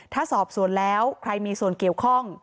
ถ้าสอบส่วนแล้วใครมีส่วนเกี่ยวข้อง